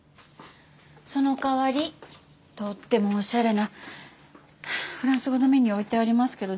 その代わりとってもおしゃれなフランス語のメニュー置いてありますけど。